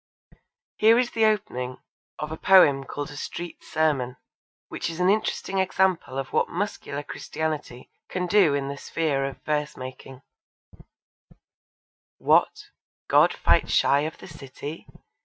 Here is the opening of a poem called A Street Sermon, which is an interesting example of what muscular Christianity can do in the sphere of verse making: What, God fight shy of the city?